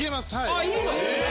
あいいの？